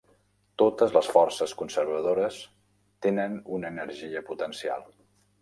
Totes les forces conservadores tenen una energia potencial.